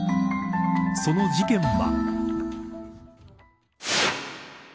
その事件は。